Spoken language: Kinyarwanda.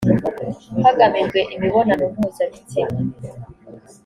hagamijwe imibonano mpuzabitsina